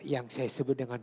yang saya sebut dengan